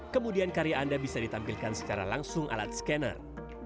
kemudian karya anda bisa ditampilkan secara langsung alat scanner